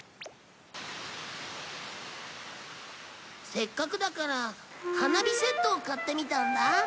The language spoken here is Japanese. せっかくだから花火セットを買ってみたんだ。